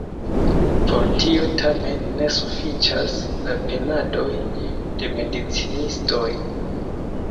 Por tio, tamen, ne sufiĉas la penadoj de medicinistoj.